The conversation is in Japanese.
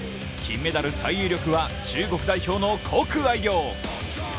金メダル最有力は中国代表の谷愛凌。